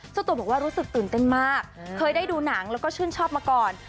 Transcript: เจ้าตัวบอกว่ารู้สึกตื่นเต้นมากเคยได้ดูหนังแล้วก็ชื่นชอบมาก่อน